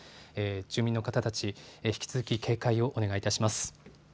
住民の方たち、引き続き警戒をお願いいたします。